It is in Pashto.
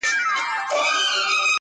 را ايله يې کړه آزار دی جادوگري,